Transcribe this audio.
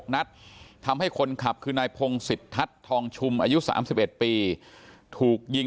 นัดทำให้คนขับคือนายพงศิษทัศน์ทองชุมอายุ๓๑ปีถูกยิง